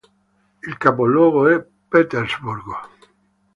Il capoluogo è Petersburg.